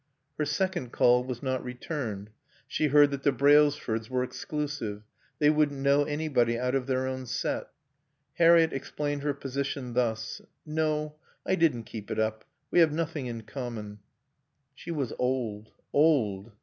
Her second call was not returned. She heard that the Brailsfords were exclusive; they wouldn't know anybody out of their own set. Harriett explained her position thus: "No. I didn't keep it up. We have nothing in common." She was old old.